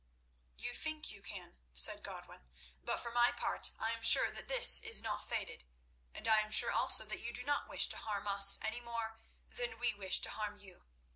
"You think you can," said Godwin, "but for my part I am sure that this is not fated, and am sure also that you do not wish to harm us any more than we wish to harm you.